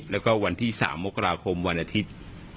แล้วก็วันที่๓มกราคมวันอาทิตย์